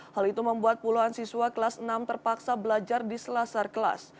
hal itu membuat puluhan siswa kelas enam terpaksa belajar di selasar kelas